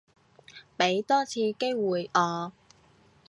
畀多次機會我